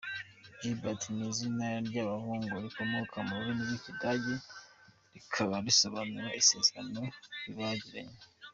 Gilbert ni izina ry’abahungu rikomoka ku rurimi rw’Ikidage rikaba risobanura “Isezerano rirabagirana”.